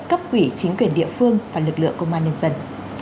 cấp ủy chính quyền địa phương và lực lượng công an nhân dân